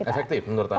efektif menurut anda